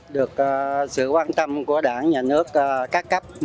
được sự quan tâm của đảng nhà nước các cấp